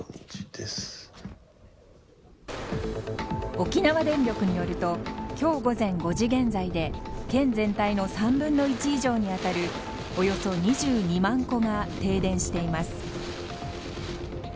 沖縄電力によると今日、午前５時現在で県全体の３分の１以上にあたるおよそ２２万戸が停電しています。